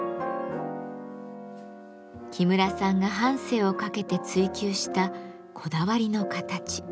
喜邑さんが半生をかけて追求したこだわりの形。